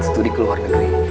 studi ke luar negeri